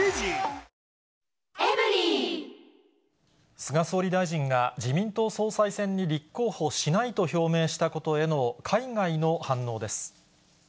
菅総理大臣が自民党総裁選に立候補しないと表明したことへの海外の反応です。